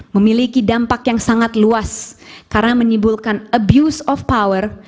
memiliki dampak yang sangat luas karena menimbulkan abuse of power